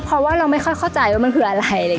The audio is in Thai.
เพราะว่าเราไม่ค่อยเข้าใจว่ามันคืออะไร